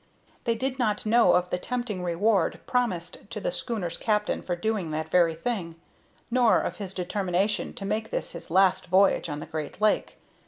They did not know of the tempting reward promised to the schooner's captain for doing that very thing, nor of his determination to make this his last voyage on the great lake.